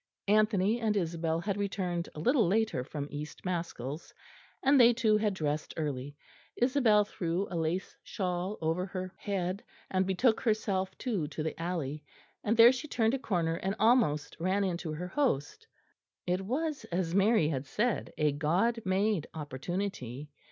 Anthony and Isabel had returned a little later from East Maskells, and they too had dressed early. Isabel threw a lace shawl over her head, and betook herself too to the alley; and there she turned a corner and almost ran into her host. It was, as Mary had said, a God made opportunity.